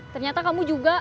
ternyata kamu juga